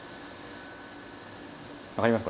分かります？